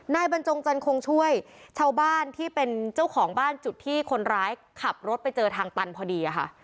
บรรจงจันคงช่วยชาวบ้านที่เป็นเจ้าของบ้านจุดที่คนร้ายขับรถไปเจอทางตันพอดีค่ะ